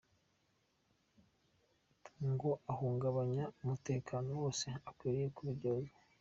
Ngo uhungabanya umutekano wese akwiriye kubiryozwa.